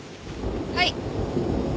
はい。